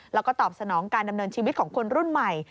แล้วก็ตอบสนองการดำเนินชีวิตของคนรุ่นใหม่